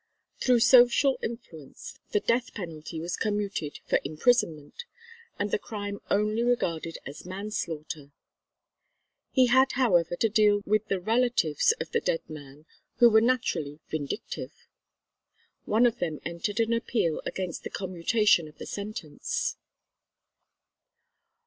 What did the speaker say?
Through social influence the death penalty was commuted for imprisonment, and the crime only regarded as manslaughter. He had however to deal with the relatives of the dead man who were naturally vindictive. One of them entered an appeal against the commutation of the sentence.